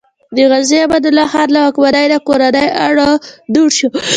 د غازي امان الله خان له واکمنۍ نه کورنی اړو دوړ شو.